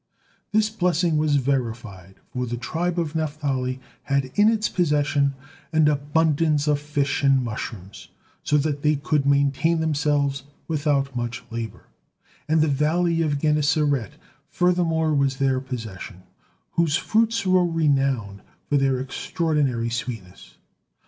This blessing was verified, for the tribe of Naphtali had in its possession an abundance of fish and mushrooms, so that they could maintain themselves without much labor; and the valley of Gennesaret furthermore was their possession, whose fruits were renowned for their extraordinary sweetness.